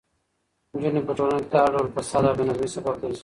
نجونې په ټولنه کې د هر ډول فساد او بې نظمۍ سبب ګرځي.